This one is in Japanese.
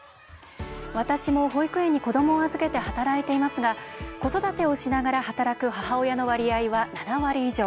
私も保育園に子どもを預けて働いていますが子育てをしながら働く母親の割合は７割以上。